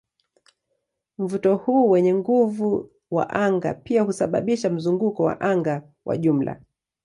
Mvuto huu wenye nguvu wa anga pia husababisha mzunguko wa anga wa jumla.